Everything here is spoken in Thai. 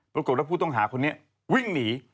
ปรากฏว่าผู้ต้องหาคนนี้วิ่งหนี